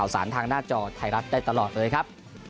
ทางหน้าจอไทยรัฐได้ตลอดเลยครับ